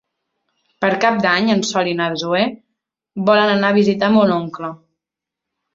Per Cap d'Any en Sol i na Zoè volen anar a visitar mon oncle.